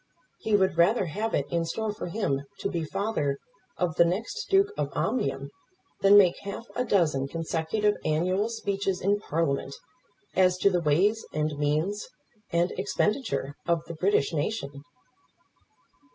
He would rather have it in store for him to be father of the next Duke of Omnium, than make half a dozen consecutive annual speeches in Parliament as to the ways and means, and expenditure of the British nation!